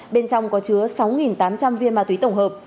bên trong có chứa sáu tám trăm linh viên ma túy tổng hợp